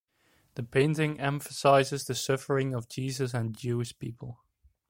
The painting emphasizes the suffering of Jesus and the Jewish people.